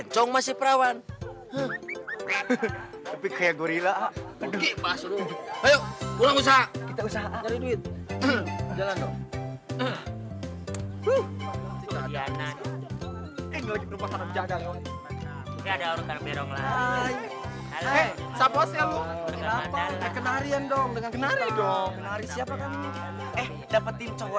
tidak ada orang yang membunuh diri